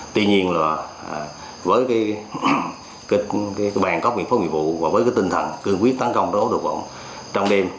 tuy nhiên là với cái bàn cóc miệng phóng dịch vụ và với cái tinh thần cương quyết tăng công đấu đột vọng trong đêm